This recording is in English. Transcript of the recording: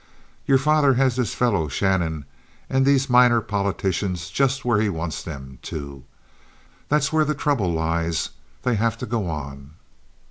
Your father has this fellow Shannon and these minor politicians just where he wants them, too. That's where the trouble lies. They have to go on."